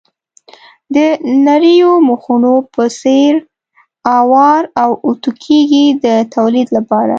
د نریو مخونو په څېر اوار او اتو کېږي د تولید لپاره.